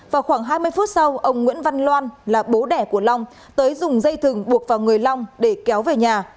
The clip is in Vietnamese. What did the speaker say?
vào khoảng hai mươi phút sau ông nguyễn văn loan là bố đẻ của long tới dùng dây thừng buộc vào người long để kéo về nhà